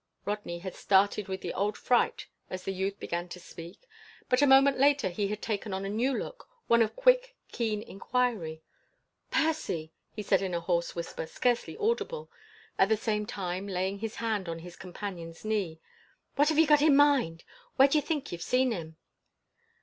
Rodney had started with the old fright as the youth began to speak, but a moment later he had taken on a new look one of quick, keen inquiry. "Percy," he said in a hoarse whisper, scarcely audible, at the same time laying his hand on his companion's knee. "What have ye got in your mind? Where d'ye think ye've seen him?"